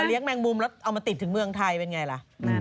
เอาเลี้ยงแมงมุมแล้วเอามาติดถึงเมืองไทยเป็นอย่างไรล่ะ